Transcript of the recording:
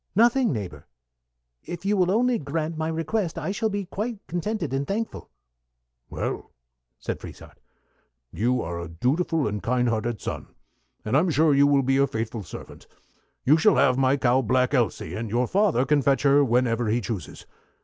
"Nothing, neighbor. If you will only grant my request I shall be quite contented and thankful." "Well," said Frieshardt, "you are a dutiful and kind hearted son, and I'm sure you will be a faithful servant. You shall have my cow Black Elsy, and your father can fetch her whenever he chooses.